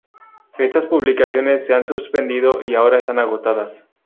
Estas publicaciones se han suspendido y ahora están agotadas.